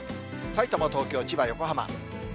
さいたま、東京、千葉、横浜。